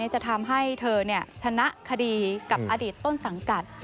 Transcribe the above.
จะทำให้เธอชนะคดีกับอดีตต้นสังกัด